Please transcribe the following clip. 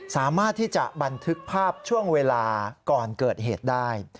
สามารถที่จะบันทึกภาพช่วงเวลาก่อนเกิดเหตุได้